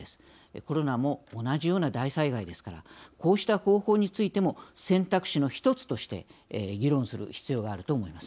コロナも同じような大災害ですからこうした方法についても選択肢の一つとして議論する必要があると思います。